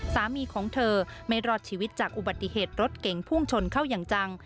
สามีของเธอไม่รอดชีวิตจากอุบัติเหตุรถเก๋งพุ่งชนเข้าอย่างจัง